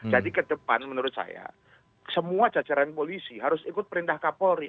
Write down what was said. jadi ke depan menurut saya semua jajaran polisi harus ikut perintah kapolri